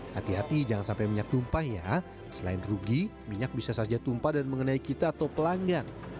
hati hati jangan sampai minyak tumpah ya selain rugi minyak bisa saja tumpah dan mengenai kita atau pelanggan